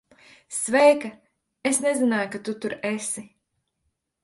Sveika. Es nezināju, ka tu tur esi.